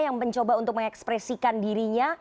yang mencoba untuk mengekspresikan dirinya